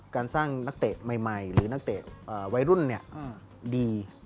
การสร้างนักเตะใหม่หรือนักเตะวัยรุ่นดี